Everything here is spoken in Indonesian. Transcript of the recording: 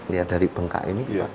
lihat dari bengkak ini